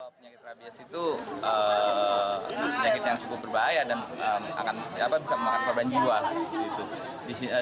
penyakit rabies itu penyakit yang cukup berbahaya dan akan bisa memakan korban jiwa